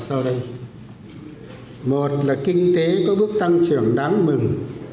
đó là một là kinh tế có bước tăng trưởng đáng mừng